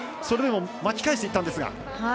それでも巻き返していったんですが。